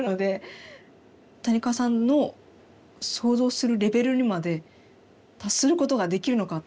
谷川さんの想像するレベルにまで達することができるのか。